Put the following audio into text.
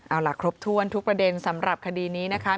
เอาล่ะครบถ้วนทุกประเด็นสำหรับคดีนี้นะคะ